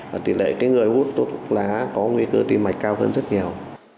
và tỷ lệ người hút thuốc lá có nguy cơ tim mạch cao hơn rất nhiều